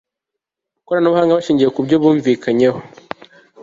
koranabuhanga bashingiye ku byo bumvikanyeho